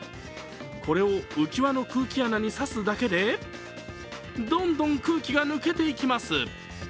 これを浮き輪の空気穴に差すだけでどんどん空気が抜けていきます。